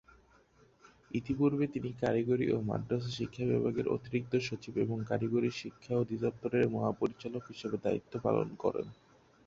ইতিপূর্বে তিনি কারিগরি ও মাদ্রাসা শিক্ষা বিভাগের অতিরিক্ত সচিব এবং কারিগরী শিক্ষা অধিদপ্তরের মহাপরিচালক হিসেবে দায়িত্ব পালন করেন।